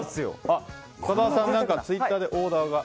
深澤さん、何かツイッターでオーダーが。